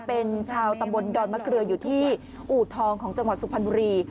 เป็นชาวตำบลดอนมะเกลืออยู่ที่อู่ทองของจังหวัดสุพรรณบุรี